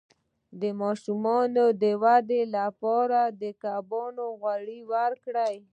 د ماشوم د ودې لپاره د کبانو غوړي ورکړئ